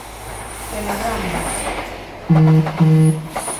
Celebrámolo.